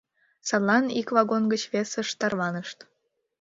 Садлан ик вагон гыч весыш тарванышт.